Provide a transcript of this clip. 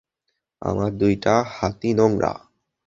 আমার দুইটা হাতই নোংরা।